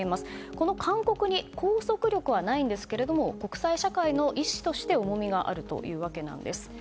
この勧告に拘束力はないんですが国際社会の意志として重みがあるというわけなんです。